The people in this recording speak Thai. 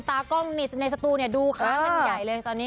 ตากล้องในสตูดูค้างใหญ่เลยตอนนี้